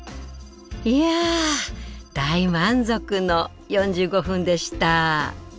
いや大満足の４５分でした。